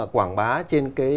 quảng bá trên